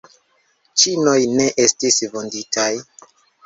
Ĉinoj ne estis vunditaj.